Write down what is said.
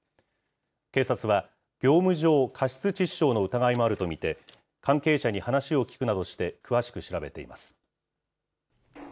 警察は業務上過失致死傷の疑いもあると見て、関係者に話を聴くなどして、詳しく調べています。